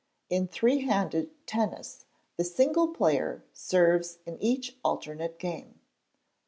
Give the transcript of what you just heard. In Three handed Tennis the single player serves in each alternate game.